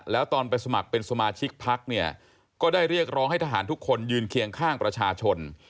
แล้วตอนไปสมัครเป็นสมาชิกพักเนี่ยก็ได้เรียกร้องให้ทหารทุกคนยืนเคียงข้างประชาชน